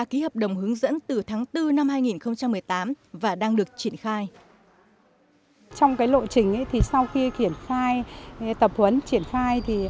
ký hợp đồng hướng dẫn từ tháng bốn năm hai nghìn một mươi tám và đang được triển khai